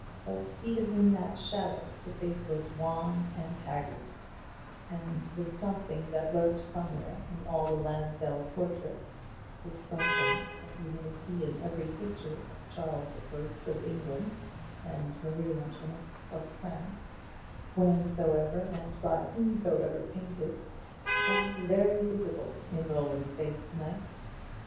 But even in that shadow the face looked wan and haggard, and the something that lurked somewhere in all the Lansdell portraits the something that you may see in every picture of Charles the First of England and Marie Antoinette of France, whensoever and by whomsoever painted was very visible in Roland's face to night.